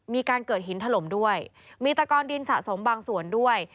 มีการเกิดหินถล่มด้วยมีตะกอนดินสะสมบางส่วนด้วย